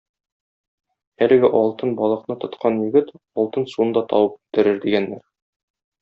Әлеге алтын балыкны тоткан егет алтын суны да табып китерер, - дигәннәр.